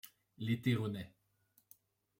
L'été renaît.